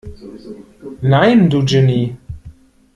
Nein, du Genie!